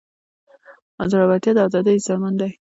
زړورتیا د ازادۍ ضامن دی.